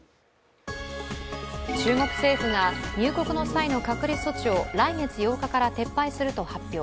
中国政府が入国の際の隔離措置を来月８日から撤廃すると発表。